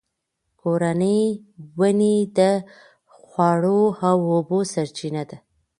کورني ونې د خواړو او اوبو سرچینه ده.